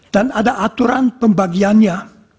dan ada aturan pembagiannya